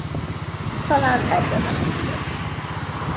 Talán ebbe menekülök.